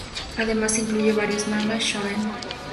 Además incluye varios mangas "shōnen".